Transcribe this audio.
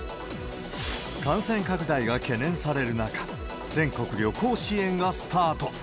感染拡大が懸念される中、全国旅行支援がスタート。